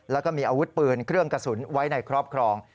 แล้วก็มีอาวุธปืนเครื่องกระสุนไว้ในครอบครอง